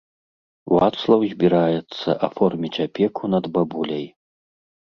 Вацлаў збіраецца аформіць апеку над бабуляй.